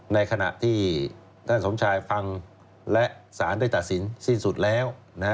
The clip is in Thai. ในขณะที่ท่านสมชายฟังและสารได้ตัดสินสิ้นสุดแล้ว